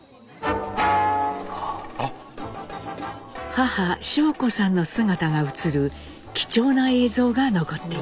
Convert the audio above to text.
母尚子さんの姿が映る貴重な映像が残っています。